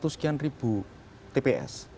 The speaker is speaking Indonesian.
delapan ratus sekian ribu tps